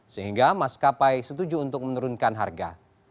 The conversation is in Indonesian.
sehingga maskapai setuju untuk menurunkan harga